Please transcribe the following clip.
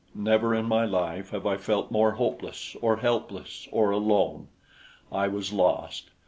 Never in my life have I felt more hopeless or helpless or alone. I was lost.